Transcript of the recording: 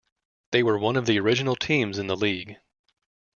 They were one of the original teams in the league.